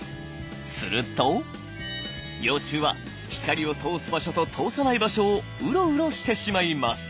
すると幼虫は光を通す場所と通さない場所をうろうろしてしまいます。